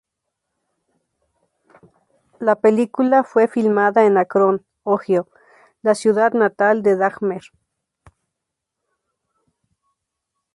La película fue filmada en Akron, Ohio, la ciudad natal de Dahmer.